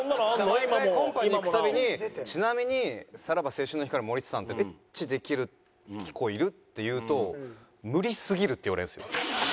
毎回コンパに行く度に「ちなみにさらば青春の光の森田さんとエッチできる子いる？」って言うと「無理すぎる」って言われるんですよ。